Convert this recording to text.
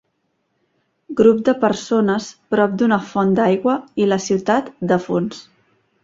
Grup de persones prop d'una font d'aigua i la ciutat de fons.